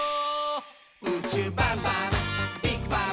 「うちゅうバンバンビッグバン！」